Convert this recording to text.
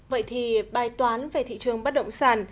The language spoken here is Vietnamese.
vậy thì bài toán về thị trường bắt động